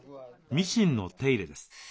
ミシンの手入れです。